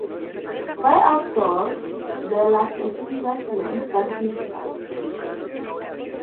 Fue autor de la socialización fascista.